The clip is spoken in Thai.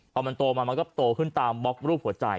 พอมันโตมามันก็โตขึ้นตามบล็อกรูปหัวใจ